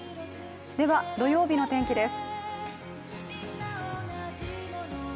では、土曜日の天気です。